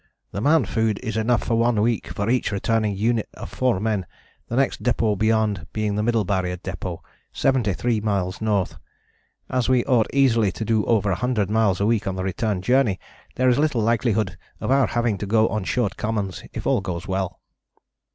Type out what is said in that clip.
"The man food is enough for one week for each returning unit of four men, the next depôt beyond being the Middle Barrier Depôt, 73 miles north. As we ought easily to do over 100 miles a week on the return journey, there is little likelihood of our having to go on short commons if all goes well."